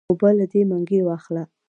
اوبۀ له دې منګي واخله